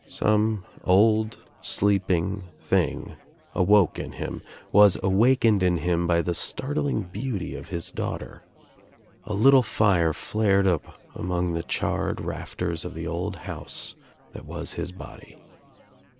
Some old sleeping thing awoke 24* THE TRIUMPH OP THE EGG in him, was awakened in him by the startling beauty of his daughter, A little fire flared up among the charred' rafters of the old house that was his body.